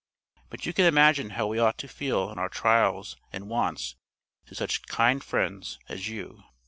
But you can imagine how we ought to feel in our trials and wants to such kind friends as you.